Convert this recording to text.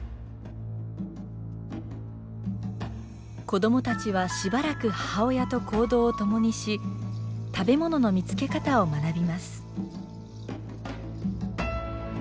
子どもたちはしばらく母親と行動を共にし食べ物の見つけ方を学びます。